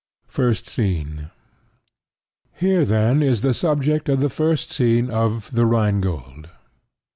First Scene Here, then, is the subject of the first scene of The Rhine Gold.